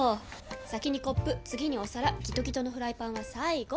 先にコップ次にお皿ギトギトのフライパンは最後！